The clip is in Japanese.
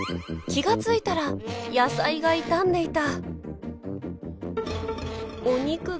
気が付いたら野菜が傷んでいた。